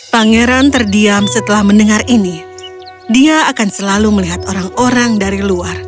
pangeran terdiam setelah mendengar ini dia akan selalu melihat orang orang dari luar